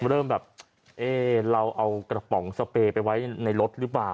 เริ่มแบบเอ๊ะเราเอากระป๋องสเปย์ไปไว้ในรถหรือเปล่า